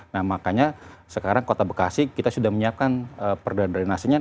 nah makanya sekarang kota bekasi kita sudah menyiapkan perda drainasenya